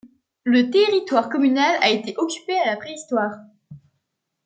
Le territoire communal a été occupé à la Préhistoire.